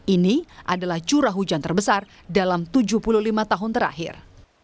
ini adalah curah hujan terbesar dalam tujuh puluh lima tahun terakhir